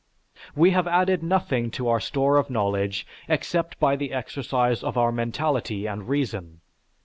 We have added nothing to our store of knowledge except by the exercise of our mentality and reason.